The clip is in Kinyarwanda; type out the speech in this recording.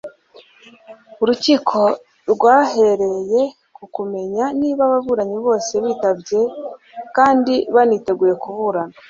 urukiko rwahereye ku kumenya niba ababuranyi bose bitabye kandi baniteguye kuburana